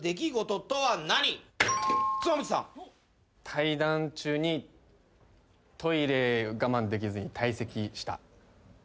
対談中にトイレを我慢できずに退席した。